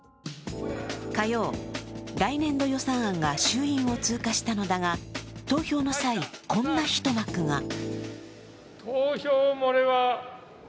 火曜、来年度予算案が衆院を通過したのだが、投票の際、こんな一幕が。